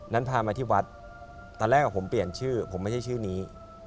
พามาที่วัดตอนแรกผมเปลี่ยนชื่อผมไม่ใช่ชื่อนี้